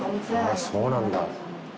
そうなんだ。